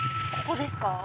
ここですか？